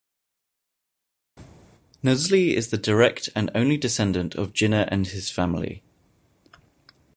Nusli is the direct and only descendent of Jinnah and his family.